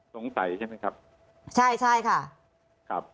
สงสัยใช่ไหมครับ